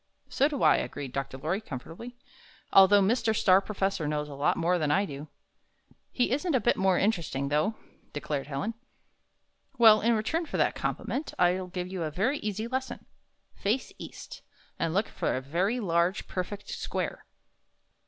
''So do I," agreed Dr. Lorry, comfortably, "although Mr. Star Professor knows a lot more than I do." "He isn't a bit more interesting, though," declared Helen. "Well, in return for that compliment, I'll give you a yery easy lesson. Face east, and look for a very large, perfect square."